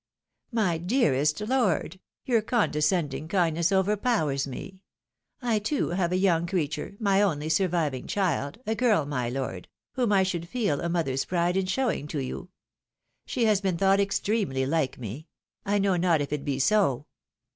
" My dearest lord ! your condescending kindness overpowers me ! I, too, have a young creature, my only surviving child, a girl, my lord, whom I should feel a mother's pride in showing to you; she has been thought extremely like me — I know not if it be so.